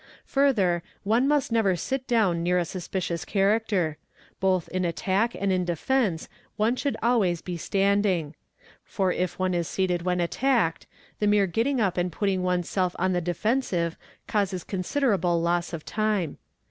Further, one must never sit down near a suspicious character ; both in attack and in defence one should — always be standing ; for if one is seated when attacked, the mere getting up and putting oneself on the defensive causes considerable loss of time.